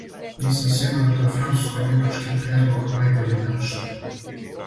Нисам сигуран да је француско-њемачки приједлог најбољи начин.